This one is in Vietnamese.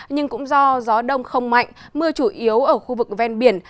nhưng cũng do gió đông không mạnh mưa chủ yếu ở khu vực ven biển